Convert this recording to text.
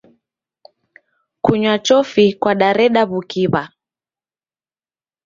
Kunywa chofi kwadareda w'ukiw'a.